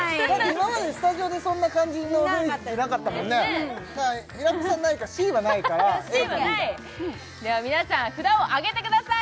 今までスタジオでそんな感じの雰囲気なかったもんねだから平子さんないかＣはないからＡかＢだでは皆さん札をあげてください